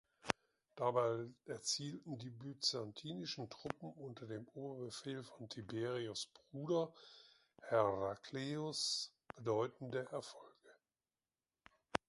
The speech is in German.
Dabei erzielten die byzantinischen Truppen unter dem Oberbefehl von Tiberios’ Bruder Herakleios bedeutende Erfolge.